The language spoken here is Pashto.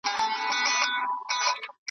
که وفا که یارانه ده دلته دواړه سودا کیږي .